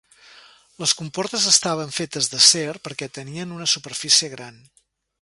Les comportes estaven fetes d'acer perquè tenien una superfície gran.